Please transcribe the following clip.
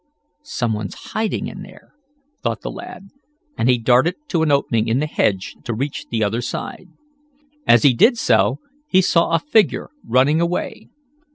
"Some one's hiding in there!" thought the lad, and he darted to an opening in the hedge to reach the other side. As he did so he saw a figure running away.